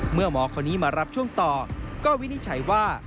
หมอคนนี้มารับช่วงต่อก็วินิจฉัยว่า